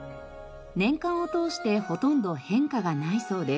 年間を通してほとんど変化がないそうです。